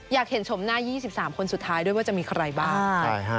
อยากเห็นชมหน้า๒๓คนสุดท้ายด้วยว่าจะมีใครบ้าง